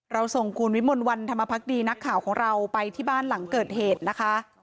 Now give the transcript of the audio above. ส่งคุณวิมลวันธรรมพักดีนักข่าวของเราไปที่บ้านหลังเกิดเหตุนะคะ